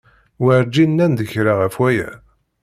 Werǧin nnan-d kra ɣef aya.